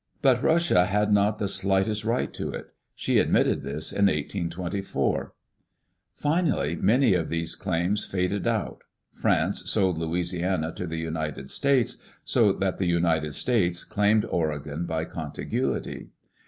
But Russia had not the slightest right to it. She admitted this in 1824. Finally many of these claims faded out. France sold Louisiana to the United States; so that the United States claimed Oregon by contiguity.